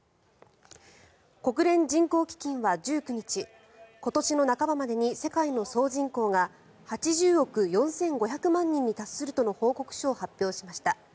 国連人口基金は１９日今年の半ばまでに世界の総人口が８０億４５００万人に達するとの報告書を発表しました。